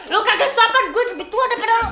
lo kaget sopan gue lebih tua daripada lo